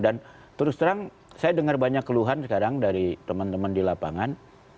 dan terus terang saya dengar banyak keluhan sekarang dari teman teman di lapangan